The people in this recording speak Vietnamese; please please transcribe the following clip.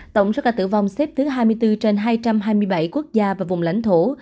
tổng số ca tử vong xếp thứ hai mươi bốn trên hai trăm hai mươi bảy quốc gia và vùng lãnh thổ